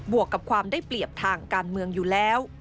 วกกับความได้เปรียบทางการเมืองอยู่แล้ว